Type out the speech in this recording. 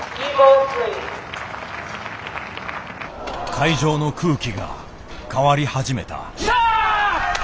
会場の空気が変わり始めた。